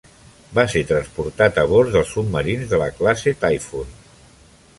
Va ser transportat a bord dels submarins de la classe Typhoon.